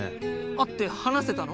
会って話せたの？